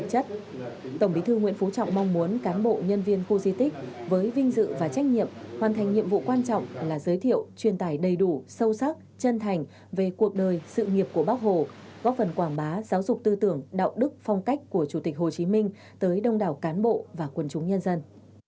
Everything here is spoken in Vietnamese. nói chuyện thân mật với cán bộ nhân viên khu di tích tổng bí thư nguyễn phú trọng mong muốn cán bộ nhân viên khu di tích với vinh dự và trách nhiệm hoàn thành nhiệm vụ quan trọng là giới thiệu truyền tải đầy đủ sâu sắc chân thành về cuộc đời sự nghiệp của bác hồ góp phần quảng bá giáo dục tư tưởng đạo đức phong cách của chủ tịch hồ chí minh tới đông đảo cán bộ và quân chúng nhân dân